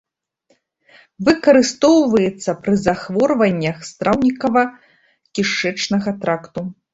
Выкарыстоўваецца пры захворваннях страўнікава-кішэчнага тракту.